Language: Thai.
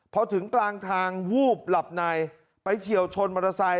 พอถึงกลางทางวูบหลับในไปเฉียวชนมอเตอร์ไซค